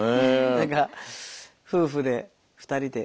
何か夫婦で２人で。